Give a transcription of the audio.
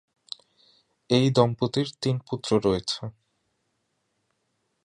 এই দম্পতির তিন পুত্র রয়েছে।